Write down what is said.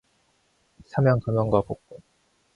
사면, 감형과 복권